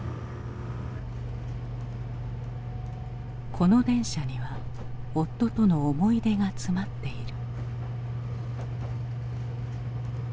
この電車には夫との思い出が詰まっている。